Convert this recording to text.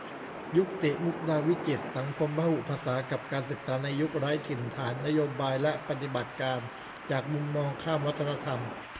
ยุกติ มุกดาวิจิตร สังคมพหุภาษากับการศึกษาในยุคไร้ถิ่นฐาน นโยบายและปฏิบัติการจากมุมมองข้ามวัฒนธรรม